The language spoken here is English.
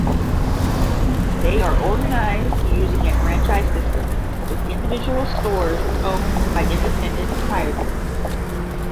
They are organized using a franchise system, with individual stores owned by independent proprietors.